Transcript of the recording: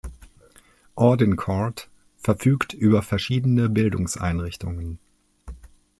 Audincourt verfügt über verschiedene Bildungseinrichtungen.